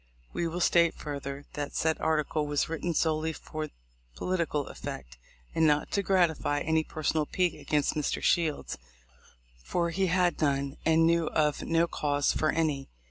We will state further, that said article was written solely for political effect, and not to gratify any personal pique against Mr. Shields, for he had none and knew of no cause for any.